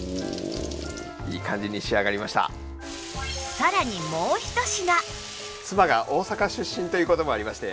さらにもう一品！